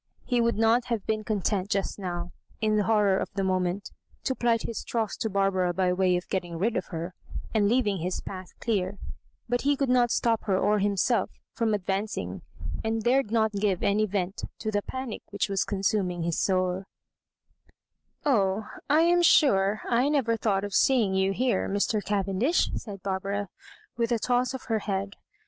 He would have been content just now, in the horror of the moment, to plight his troth to Barbara by way of getting rid of her, and leaving his path clear ; but he could not stop her or himself from ad vancing, and dared not g^ve any vent to the panic which was consuming his souL " Oh, I am sure I never thought of seeing you here, Mr. Cavendish," smd Barbara, with a toss of her head.